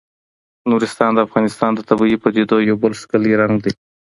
نورستان د افغانستان د طبیعي پدیدو یو بل ښکلی رنګ دی.